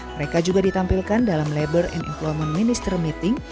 mereka juga ditampilkan dalam labor and employment minister meeting